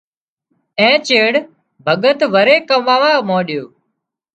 اين چيڙ ڀڳت وري ڪماوا مانڏيو